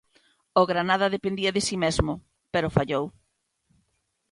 O Granada dependía de si mesmo, pero fallou.